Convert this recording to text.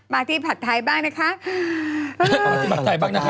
มาที่ผาดไทยบ้างนะคะ